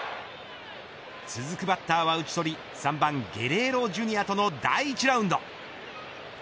続くバッターは打ち取り３番ゲレーロＪｒ．との第１ラウンド。